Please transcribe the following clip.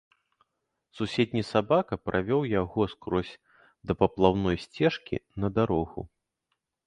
Суседні сабака правёў яго скрозь да паплаўной сцежкі на дарогу.